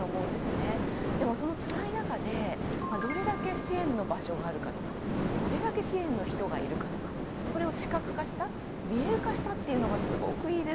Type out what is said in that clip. でもそのつらい中でどれだけ支援の場所があるかとかどれだけ支援の人がいるかとかこれを視覚化した見える化したっていうのがすごくいいですよねえ。